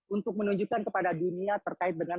untuk menunjukkan kepada dunia terkait dengan